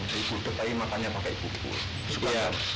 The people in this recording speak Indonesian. di gudeg tadi makannya pakai bubur